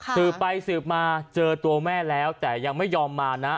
สืบไปสืบมาเจอตัวแม่แล้วแต่ยังไม่ยอมมานะ